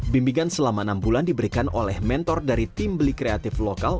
bimbingan selama enam bulan diberikan oleh mentor dari tim beli kreatif lokal